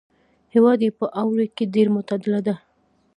هوا یې په اوړي کې ډېره معتدله ده.